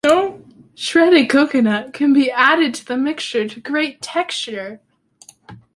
Shredded coconut can be added to the mixture to create texture.